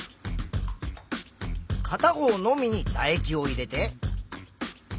かた方のみにだ液を入れて。